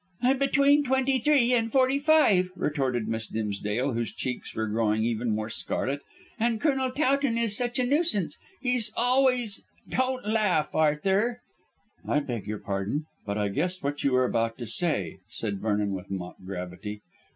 "And between twenty three and forty five," retorted Miss Dimsdale, whose cheeks were growing even more scarlet. "And Colonel Towton is such a nuisance. He's always don't laugh, Arthur." "I beg your pardon, but I guessed what you were about to say," said Vernon with mock gravity.